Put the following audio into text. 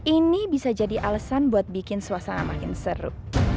ini bisa jadi alasan buat bikin suasana makin seru